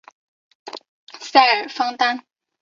塞尔方丹。